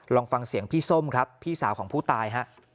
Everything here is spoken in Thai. ลองฟังเสียงพี่ส้มครับพี่สาวของผู้ตายฮะ